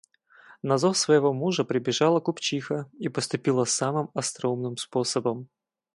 На зов своего мужа, прибежала купчиха и поступила самым остроумным способом.